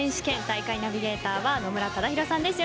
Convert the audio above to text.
大会ナビゲーターは野村忠宏さんです。